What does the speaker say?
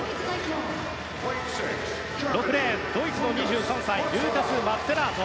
６レーン、ドイツの２３歳ルーカス・マッツェラート。